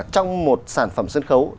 trong một sản phẩm sân khấu